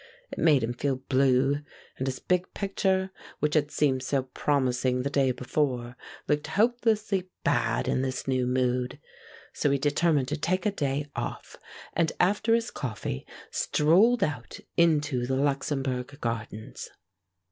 It made him feel blue, and his big picture, which had seemed so promising the day before, looked hopelessly bad in this new mood. So he determined to take a day off, and, after his coffee, strolled out into the Luxembourg Gardens.